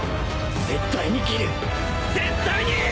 絶対に斬る！絶対に！！